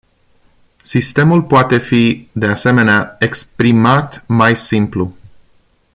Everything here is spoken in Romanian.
Sistemul poate fi, de asemenea, exprimat mai simplu.